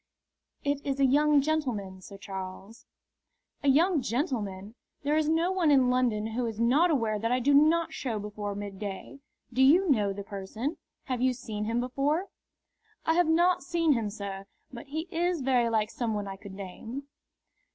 "It is a young gentleman, Sir Charles." "A young gentleman? There is no one in London who is not aware that I do not show before midday. Do you know the person? Have you seen him before?" "I have not seen him, sir, but he is very like some one I could name."